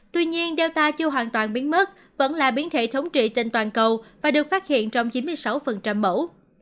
tuy nhiên do chưa hoàn toàn biến mất vẫn là biến thể thống trị trên toàn cầu và được phát hiện trong chín mươi sáu mẫu